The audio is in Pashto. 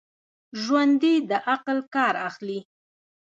ژوندي د عقل کار اخلي